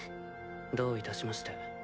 どういたしまして。